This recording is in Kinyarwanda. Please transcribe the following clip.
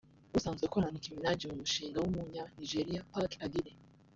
usanzwe akorana na Nicki Minaj mu mushinga w’umunya Nigeria Parker Ighile